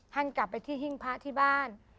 กลับไปที่หิ้งพระที่บ้าน